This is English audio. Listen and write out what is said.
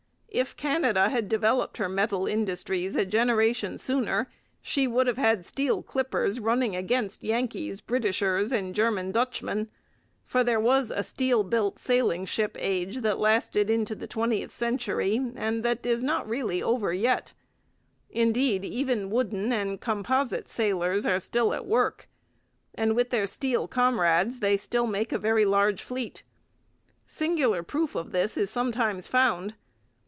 If Canada had developed her metal industries a generation sooner she would have had steel clippers running against 'Yankees,' 'Britishers,' and German 'Dutchmen'; for there was a steel built sailing ship age that lasted into the twentieth century and that is not really over yet. Indeed, even wooden and composite sailers are still at work; and with their steel comrades they still make a very large fleet. Singular proof of this is sometimes found.